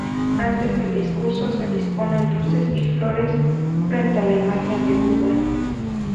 Antes del discurso, se disponen luces y flores frente a la imagen de Buda.